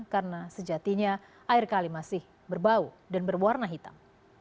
karena sejatinya air kali masih berbau dan berwarna hitam